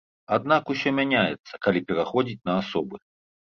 Аднак усё мяняецца, калі пераходзіць на асобы.